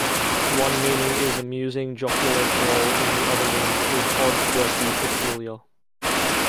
One meaning is "amusing, jocular, droll" and the other meaning is "odd, quirky, peculiar".